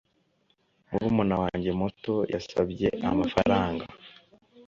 murumuna wanjye muto yasabye amafaranga